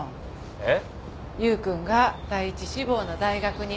えっ？